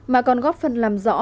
mà còn góp phần làm rõ